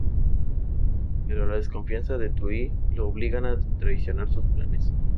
Pero la desconfianza de Turi lo obligan a traicionar sus planes.